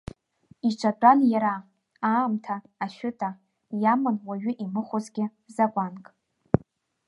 Иаҿатәан иара, аамҭа, ашәыта, иаман уаҩы имыхәозгьы закәанк.